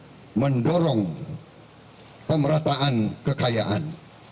yang mendorong pemerataan kekayaan